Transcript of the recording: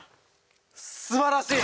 素晴らしい！